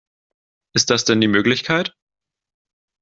Ist das denn die Möglichkeit?